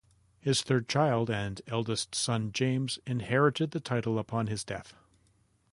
His third child and eldest son, James, inherited the title upon his death.